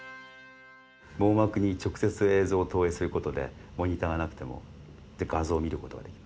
網膜に直接映像を投影することでモニターがなくても画像を見ることができます。